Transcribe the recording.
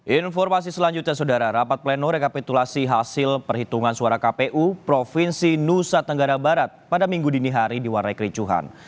informasi selanjutnya saudara rapat pleno rekapitulasi hasil perhitungan suara kpu provinsi nusa tenggara barat pada minggu dini hari diwarnai kericuhan